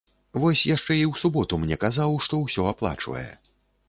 Вось яшчэ і ў суботу мне казаў, што ўсё аплачвае.